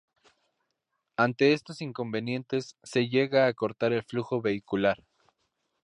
Ante estos inconvenientes se llega a cortar el flujo vehicular.